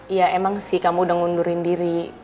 iya emang sih kamu udah ngundurin diri